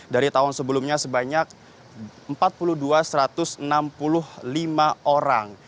dari tahun sebelumnya sebanyak empat puluh dua satu ratus enam puluh lima orang